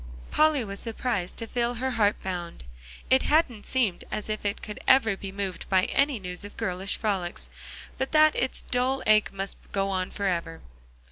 Polly was surprised to feel her heart bound. It hadn't seemed as if it could ever be moved by any news of girlish frolics, but that its dull ache must go on forever.